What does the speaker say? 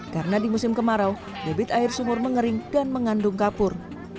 karena di musim kemarau debit air sumur mengering dan mengandung kapur